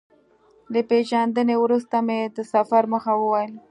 له پېژندنې وروسته مې د سفر موخه وویل.